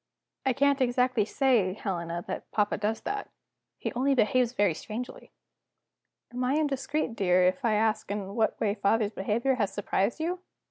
"I can't exactly say, Helena, that papa does that. He only behaves very strangely." "Am I indiscreet, dear, if I ask in what way father's behavior has surprised you?"